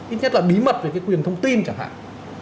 ít nhất là bí mật về cái quyền thông tin chẳng hạn